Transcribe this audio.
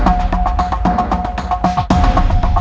makin gue menyerah walaupun gue garis apa